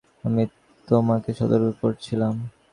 আমি তোমাকে সতর্ক করেছিলাম।